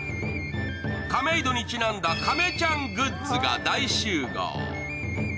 亀戸にちなんだ亀ちゃんグッズが大集合。